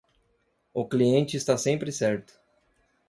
O cliente está sempre certo.